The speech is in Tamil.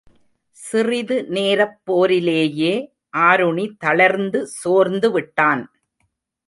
சிறிது நேரப் போரிலேயே ஆருணி தளர்ந்து சோர்ந்து விட்டான்.